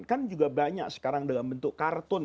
kan juga banyak sekarang dalam bentuk kartun